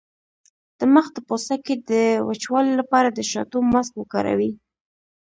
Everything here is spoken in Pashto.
د مخ د پوستکي د وچوالي لپاره د شاتو ماسک وکاروئ